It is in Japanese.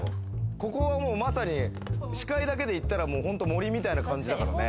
ここはまさに視界だけで言ったら、森みたいな感じだからね。